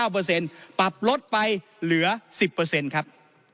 ปรับลดไปเหลือ๑๐ครับ